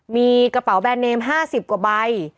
มีกระเป๋าแบรนเนม๕๐กว่าใบ